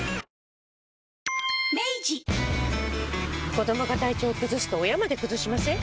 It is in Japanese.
子どもが体調崩すと親まで崩しません？